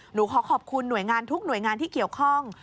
หนูขอขอบคุณหน่วยงานทุกหน่วยงานที่เกี่ยวข้อง